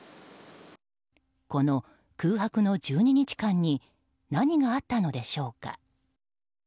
この空白の１２日間に何があったのでしょうか。